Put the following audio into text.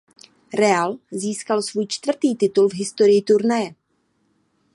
Real získal svůj čtvrtý titul v historii turnaje.